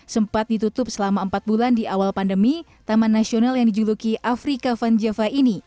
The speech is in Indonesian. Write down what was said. sempat ditutup selama empat bulan di awal pandemi taman nasional yang dijuluki afrika van java ini